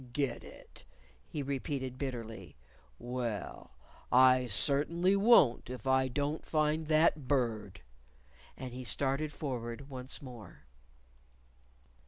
"Get it!" he repeated bitterly. "Well, I certainly won't if I don't find that Bird!" And he started forward once more.